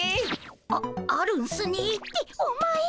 ああるんすねってお前。